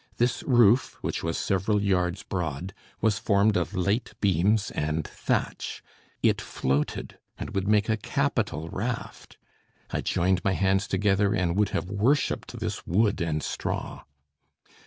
This roof, which was several yards broad, was formed of light beams and thatch; it floated, and would make a capital raft, I joined my hands together and would have worshipped this wood and straw.